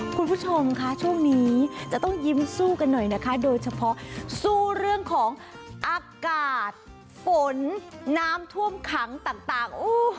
คุณผู้ชมคะช่วงนี้จะต้องยิ้มสู้กันหน่อยนะคะโดยเฉพาะสู้เรื่องของอากาศฝนน้ำท่วมขังต่าง